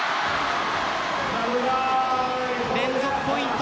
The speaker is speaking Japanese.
連続ポイント